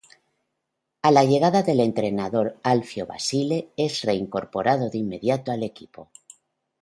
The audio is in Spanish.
A la llegada del entrenador Alfio Basile es reincorporado de inmediato al equipo.